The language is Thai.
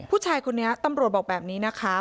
ผู้ชายคนนี้ตำรวจบอกแบบนี้นะคะ